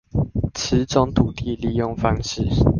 此種土地利用方式